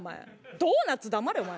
ドーナツ黙れお前。